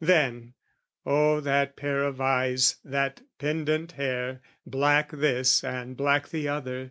Then, oh that pair of eyes, that pendent hair, Black this, and black the other!